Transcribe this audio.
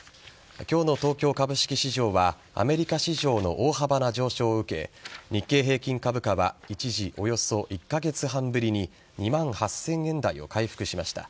昨日の東京株式市場はアメリカ市場の大幅な上昇を受け日経平均株価は一時およそ１カ月半ぶりに２万８０００円台を回復しました。